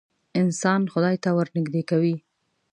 انسان خدای ته ورنیږدې کوې.